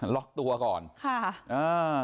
ล็อกตัวก่อนค่ะอ่า